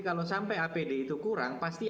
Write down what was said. kalau sampai apd itu kurang pasti